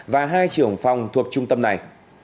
và hai trưởng phòng thuộc trung tâm này